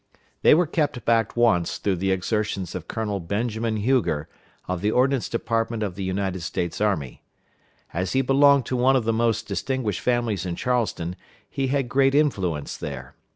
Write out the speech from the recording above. They were kept back once through the exertions of Colonel Benjamin Huger, of the Ordnance Department of the United States Army. As he belonged to one of the most distinguished families in Charleston, he had great influence there.